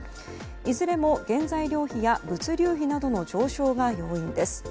いずれも原材料費や物流費の上昇が要因です。